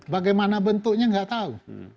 bagaimana bentuknya nggak tahu